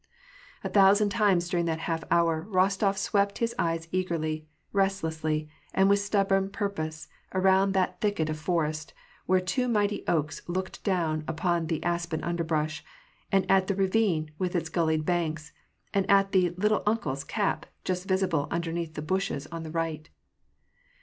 A thousand times during that half hour, Kostof swept his eyes eagerly, restlessly, and with stubborn purpose, around that thicket of forest, where two mighty oaks looked down upon the aspen underbrush ; and at the ravine, with its gullied banks ; and at the " little uncle's" cap, just visible underneath the bushes on the right.